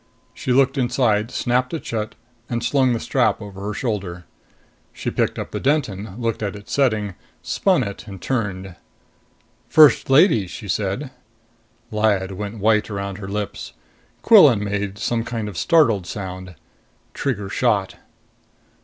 She looked inside, snapped it shut and slung the strap over her shoulder. She picked up the Denton, looked at its setting, spun it and turned. "First Lady " she said. Lyad went white around the lips. Quillan made some kind of startled sound. Trigger shot.